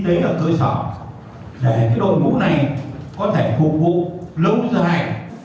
để cái đội ngũ này có thể phục vụ lâu dài